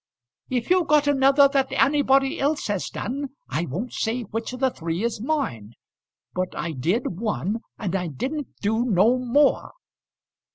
"If you've got another that anybody else has done, I won't say which of the three is mine. But I did one, and I didn't do no more."